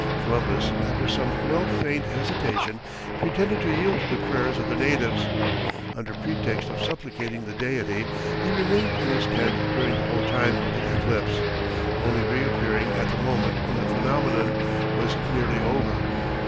Columbus, after some well feigned hesitation, pretended to yield to the prayers of the natives. Under pretext of supplicating the Deity, he remained in his tent during the whole time of the eclipse, only reappearing at the moment when the phenomenon was nearly over.